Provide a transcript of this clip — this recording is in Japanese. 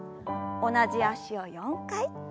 同じ脚を４回。